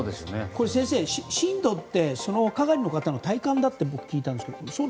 先生、震度ってその係の方の体感だって聞いたんですが。